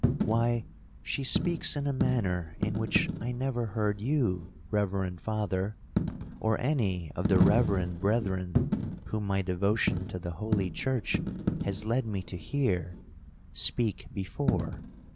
'—'Why, she speaks in a manner in which I never heard you, reverend Father, or any of the reverend brethren, whom my devotion to the holy church has led me to hear, speak before.